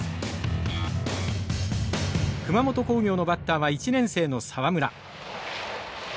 熊本工業のバッターは１年生の沢村。